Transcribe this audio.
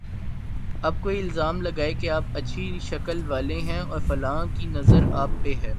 اب کوئی الزام لگائے کہ آپ اچھی شکل والے ہیں اور فلاں کی نظر آپ پہ ہے۔